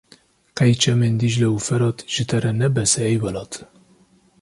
Qey çemên Dîcle û Ferat ji te re ne bes e ey welat.